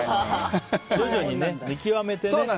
徐々に見極めてね。